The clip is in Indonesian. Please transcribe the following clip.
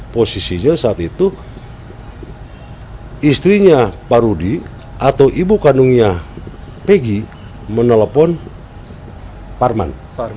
posisinya saat itu istrinya pak rudi atau ibu kandungnya pegi menelpon parman